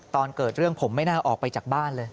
ตอนเกิดเรื่องผมไม่น่าออกไปจากบ้านเลย